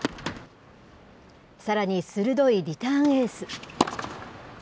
さらに鋭いリターンエース。